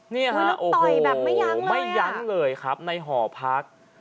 เนี่ยฮะโอ้โหไม่ยั้งเลยครับในห่อพัก